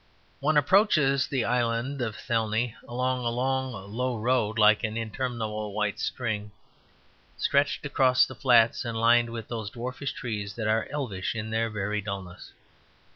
One approaches the island of Athelney along a low long road like an interminable white string stretched across the flats, and lined with those dwarfish trees that are elvish in their very dullness.